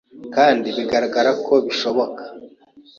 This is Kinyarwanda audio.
kandi bigaragara ko bishoboka